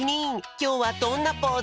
きょうはどんなポーズ？